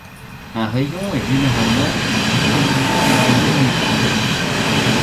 Un raion est généralement une subdivision de deuxième niveau.